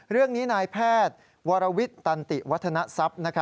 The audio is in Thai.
เรื่องนี้นายแพทย์วรวิทย์ตันติวัฒนทรัพย์